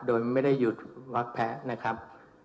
โดยไม่ได้หยุดวัดแพ้นะครับ